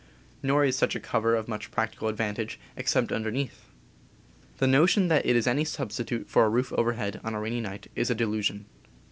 Nor is such a cover of much practical advantage, except underneath. The notion that it is any substitute for a roof overhead, on a rainy night, is a delusion.